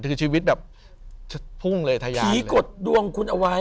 คือชีวิตแบบพุ่งเลยทะยาผีกดดวงคุณเอาไว้